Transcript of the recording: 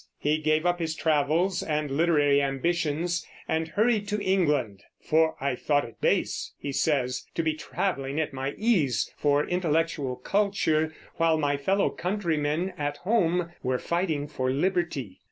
He gave up his travels and literary ambitions and hurried to England. "For I thought it base," he says, "to be traveling at my ease for intellectual culture while my fellow countrymen at home were fighting for liberty."